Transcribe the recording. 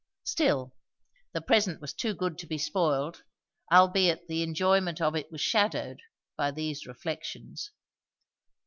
Still, the present was too good to be spoiled, albeit the enjoyment of it was shadowed, by these reflections.